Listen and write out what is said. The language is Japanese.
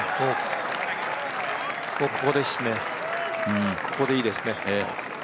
ここですね、ここでいいですね。